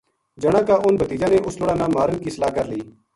جنا کا اُنھ بھتیجاں نے اس لُڑا نا مارن کی صلاح کر لئی